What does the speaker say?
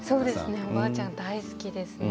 おばあちゃん大好きです。